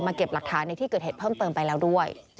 เก็บหลักฐานในที่เกิดเหตุเพิ่มเติมไปแล้วด้วย